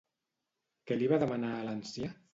Què li va demanar a l'ancià?